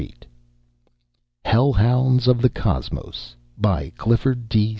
_] Hellhounds of the Cosmos By Clifford D.